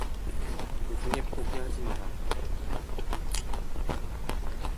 도중에 포기하지 마라.